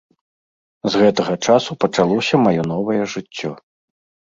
З гэтага часу пачалося маё новае жыццё.